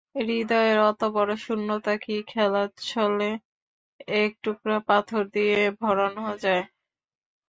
হৃদয়ের অত বড়ো শূন্যতা কি খেলাচ্ছলে এক টুকরো পাথর দিয়ে ভরানো যায়?